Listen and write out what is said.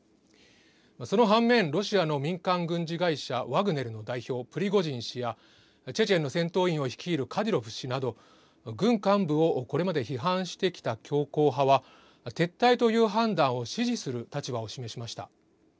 その反面、ロシアの民間軍事会社ワグネルの代表プリゴジン氏やチェチェンの戦闘員を率いるカディロフ氏など軍幹部をこれまで批判してきた強硬派は撤退という判断を支持する立場を示しました。